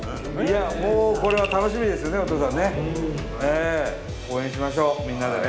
もうこれは楽しみですよねお父さんね。